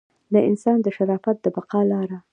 د انسان د شرافت د بقا لاره.